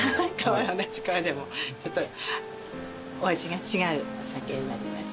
同じ川でもちょっとお味が違うお酒になります。